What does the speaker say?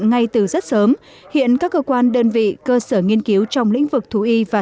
ngay từ rất sớm hiện các cơ quan đơn vị cơ sở nghiên cứu trong lĩnh vực thú y và